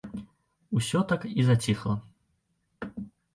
Усё так і заціхла.